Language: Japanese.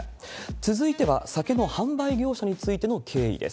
続いては、サケの販売業者についての経緯です。